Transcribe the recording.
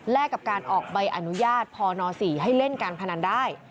และกับการออกใบอนุญาตพน๔ให้เล่นการพนันได้